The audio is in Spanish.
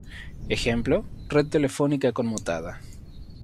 Ejemplo: red telefónica conmutada.